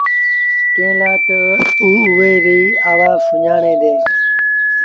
ڪݩهݩ لآ تا او اُئي ريٚ آوآز سُڃآڻي دينٚ۔